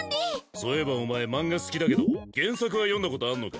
そういえばお前漫画好きだけど原作は読んだことあんのか？